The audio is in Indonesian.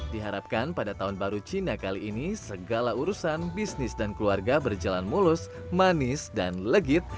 diharapkan pada tahun baru cina kali ini segala urusan bisnis dan keluarga berjalan mulus manis dan legit